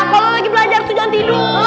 kalo lagi belajar tuh jangan tidur